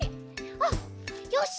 あっよし！